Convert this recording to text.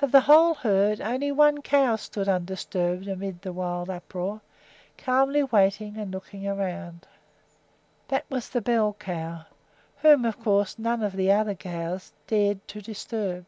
Of the whole herd, only one cow stood undisturbed amid the wild uproar, calmly waiting and looking about. That was the bell cow, whom, of course, none of the other cows dared to disturb.